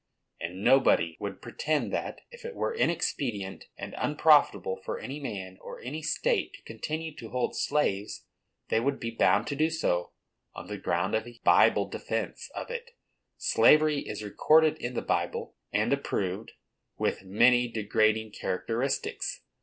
And nobody would pretend that, if it were inexpedient and unprofitable for any man or any state to continue to hold slaves, they would be bound to do so, on the ground of a "Bible defence" of it. Slavery is recorded in the Bible, and approved, with many degrading characteristics.